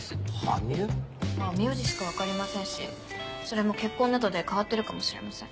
まぁ名字しか分かりませんしそれも結婚などで変わってるかもしれません。